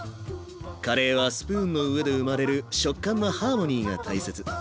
カレーはスプーンの上で生まれる食感のハーモニーが大切。